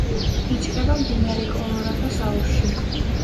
იჭრება მდინარე კოლორადოს აუზში.